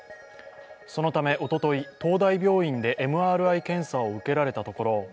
そのためおととい、東大病院でＭＲＩ検査を受けられたところ